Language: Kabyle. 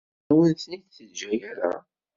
Ur awen-ten-id-teǧǧa ara.